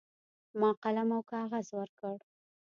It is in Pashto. ما قلم او کاغذ ورکړ.